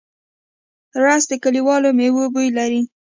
رس د کلیوالو مېوو بوی لري